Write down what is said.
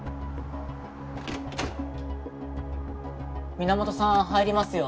皆本さん入りますよ？